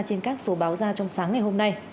trên các số báo ra trong sáng ngày hôm nay